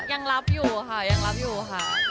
ยังรับอยู่ค่ะยังรับอยู่ค่ะ